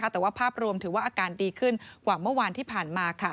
แต่ว่าภาพรวมถือว่าอาการดีขึ้นกว่าเมื่อวานที่ผ่านมา